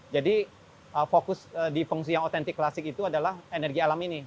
jadi fokus di feng shui yang otentik klasik itu adalah energi alam ini